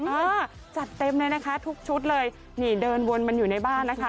อ่าจัดเต็มเลยนะคะทุกชุดเลยนี่เดินวนมันอยู่ในบ้านนะคะ